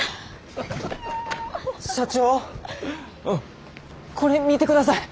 社長これ見てください。